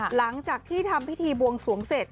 หลังจากที่ทำพิธีบวงสวงเสร็จ